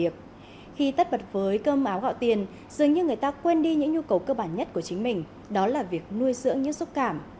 khi tất bật với cơm áo gạo tiền dường như người ta quên đi những nhu cầu cơ bản nhất của chính mình đó là việc nuôi dưỡng những xúc cảm